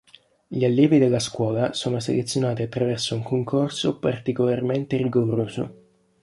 Gli allievi della scuola sono selezionati attraverso un concorso particolarmente rigoroso.